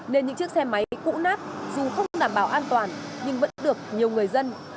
nên những chiếc xe máy cũ nát dù không đảm bảo an toàn nhưng vẫn được nhiều người dân